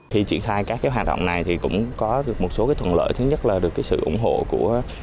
khi triển khai các hoạt động này thì cũng có được một số thuận lợi thứ nhất là được sự ủng hộ của